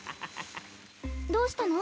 どうしたの？